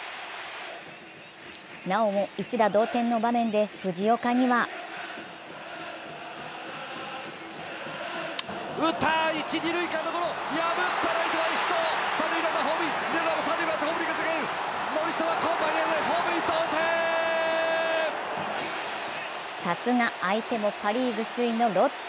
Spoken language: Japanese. なおも一打同点の場面で藤岡にはさすが相手もパ・リーグ首位のロッテ。